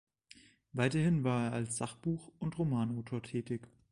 Weiterhin war er als Sachbuch- und Romanautor tätig.